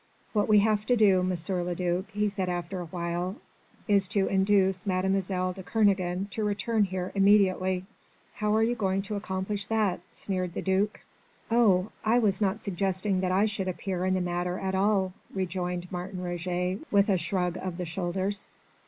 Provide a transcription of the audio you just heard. "What we have to do, M. le duc," he said after a while, "is to induce Mlle. de Kernogan to return here immediately." "How are you going to accomplish that?" sneered the Duke. "Oh! I was not suggesting that I should appear in the matter at all," rejoined Martin Roget with a shrug of the shoulders.